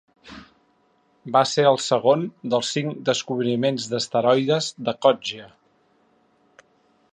Va ser el segon dels cinc descobriments d'asteroides de Coggia.